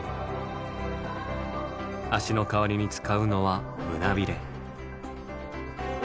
足の代わりに使うのは胸びれ。